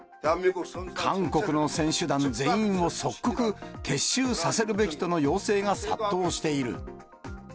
韓国の選手団全員を即刻撤収させるべきとの要請が殺到している。